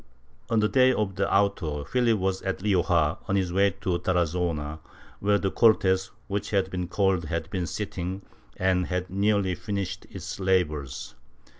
On the day of the auto Philip was at Rioja, on his way to Tara zona, where the Cortes wdiich had been called had been sitting and had nearly finished its labors.